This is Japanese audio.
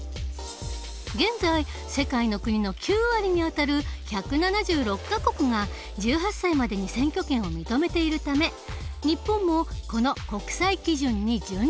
現在世界の国の９割にあたる１７６か国が１８歳までに選挙権を認めているため日本もこの国際基準に準じたい。